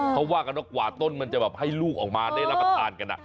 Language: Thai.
เขาว่าก็ว่ากว่าต้นจะให้ลูกออกมาได้รับประตาลกัน